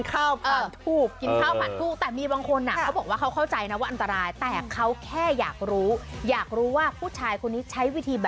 รถมันทุกคนจะดูดเอาก็ไปเอา